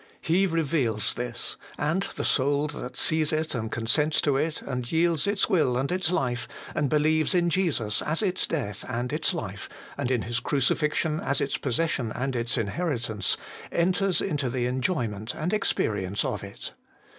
He reveals this, and the soul that sees it, and consents to it, and yields its will and its life, and believes in Jesus as its death and its life, and in His crucifixion as its possession and its inherit ance, enters into the enjoyment and experience of it.